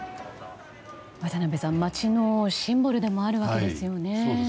渡辺さん、街のシンボルでもあるわけですよね。